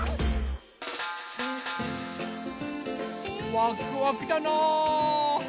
ワクワクだなぁ。